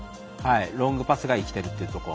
ロングパスが生きているというところ。